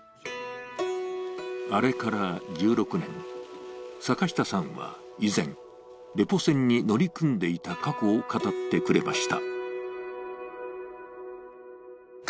あれから１６年、坂下さんは以前、レポ船に乗り組んでいた過去を語ってくれました。